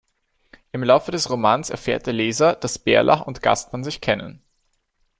Im Laufe des Romans erfährt der Leser, dass Bärlach und Gastmann sich kennen.